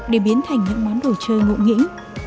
để biến thành những món đồ chơi ngộ nghĩnh